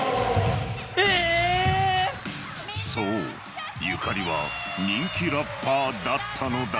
えぇ⁉そうゆかりは人気ラッパーだったのだ